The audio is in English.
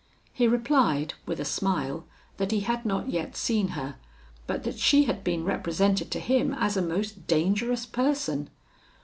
He replied, with a smile, that he had not yet seen her, but that she had been represented to him as a most dangerous person.